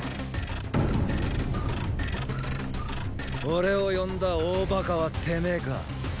俺を呼んだ大馬鹿はてめェか。